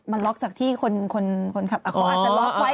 มันล็อกจากที่คนขับเขาอาจจะล็อกไว้